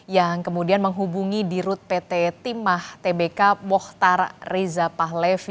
yang kemudian menghubungi di rut pt timah tbk mohtar reza pahlevi